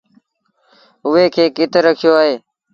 اُئي کي ڪِٿ رکيو اهي؟